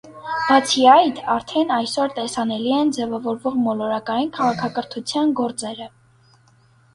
Բացի այդ, արդեն այսօր տեսանելի են ձևավորվող մոլորակային քաղաքակրթության գծերը։